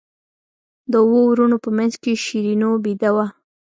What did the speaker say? د اوو وروڼو په منځ کې شیرینو بېده وه.